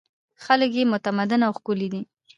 خلک یې متمدن او ښکلي دي.